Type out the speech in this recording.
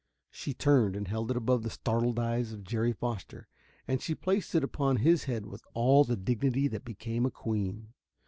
She turned, and held it above the startled eyes of Jerry Foster, and she placed it upon his head with all the dignity that became a queen.